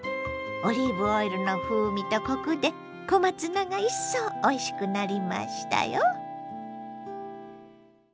オリーブオイルの風味とコクで小松菜がいっそうおいしくなりましたよ。